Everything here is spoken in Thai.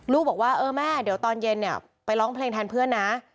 ลูกบอกว่าเออแม่เดี๋ยวตอนเย็นเนี่ยไปร้องเพลงแทนเพื่อนนะ